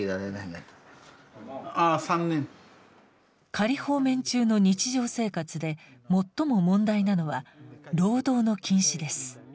仮放免中の日常生活で最も問題なのは労働の禁止です。